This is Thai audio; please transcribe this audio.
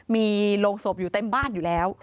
มีโรงศพอยู่เต็มบ้านอยู่แล้ว